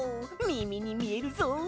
みみにみえるぞ！